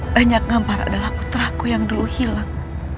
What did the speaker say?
banyak ngampar adalah putraku yang dulu hilang